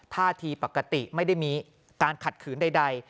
ท่าทีปกติไม่ได้มีการขัดขืนใด